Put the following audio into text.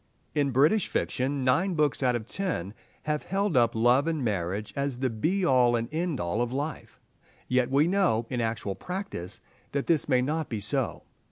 In British fiction nine books out of ten have held up love and marriage as the be all and end all of life. Yet we know, in actual practice, that this may not be so.